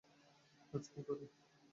কাজ কি করে?